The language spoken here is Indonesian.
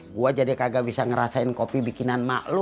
gue jadi kagak bisa ngerasain kopi bikinan mak lo